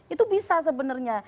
itu bisa sebenarnya